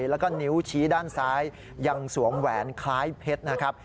แล้วก็นิ้วชี้ด้านซ้ายยังสวมแหวนคล้ายเพชรนะครับ